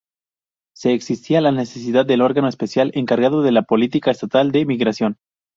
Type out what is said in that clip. Se existía la necesidad del órgano especial, encargado de la política estatal de migración.